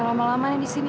lama lamanya di sini